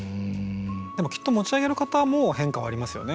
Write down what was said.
でもきっと持ち上げる方も変化はありますよね